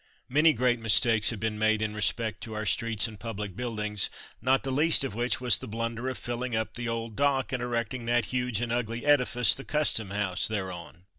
Many great mistakes have been made in respect to our streets and public buildings, not the least of which was the blunder of filling up the Old Dock, and erecting that huge and ugly edifice, the Custom house, thereon.